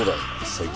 最近。